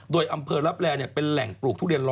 โดยอำเภอรับแร่เป็นแหล่งปลูกทุเรียนล้อ